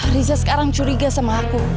riza sekarang curiga sama aku